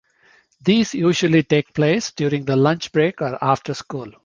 These usually take place during the lunch break or after school.